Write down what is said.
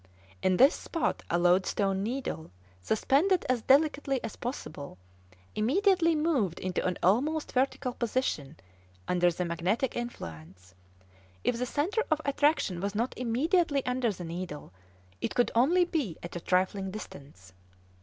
In this spot a loadstone needle, suspended as delicately as possible, immediately moved into an almost vertical position under the magnetic influence; if the centre of attraction was not immediately under the needle, it could only be at a trifling distance.